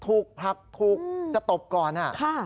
ถูกพักถูกจะตกก่อน